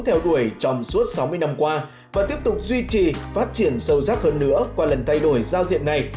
theo đuổi trong suốt sáu mươi năm qua và tiếp tục duy trì phát triển sâu sắc hơn nữa qua lần thay đổi giao diện này